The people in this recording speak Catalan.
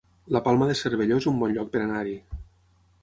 La Palma de Cervelló es un bon lloc per anar-hi